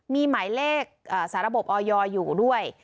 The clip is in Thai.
มีหมายเลขสาระบบออยอยู่ด้วย